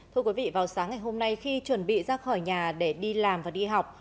thưa quý vị vào sáng ngày hôm nay khi chuẩn bị ra khỏi nhà để đi làm và đi học